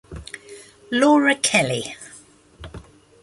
Laura Kelly.